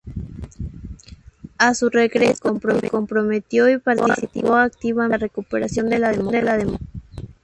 A su regreso se comprometió y participó activamente en la recuperación de la democracia.